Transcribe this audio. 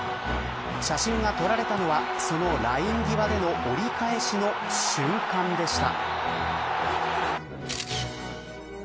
写真が撮られたのはそのライン際での折り返しの瞬間でした。